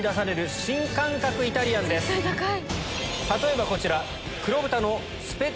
例えばこちら。